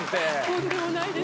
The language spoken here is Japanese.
とんでもないです。